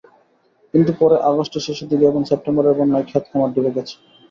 কিন্তু পরে আগস্টের শেষের দিকে এবং সেপ্টেম্বরের বন্যায় খেত-খামার ডুবে গেছে।